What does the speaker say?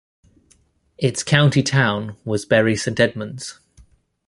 Its county town was Bury Saint Edmunds.